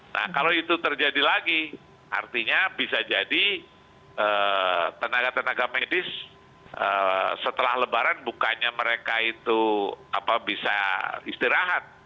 nah kalau itu terjadi lagi artinya bisa jadi tenaga tenaga medis setelah lebaran bukannya mereka itu bisa istirahat